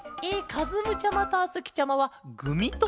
かずむちゃまとあづきちゃまはグミともケロね。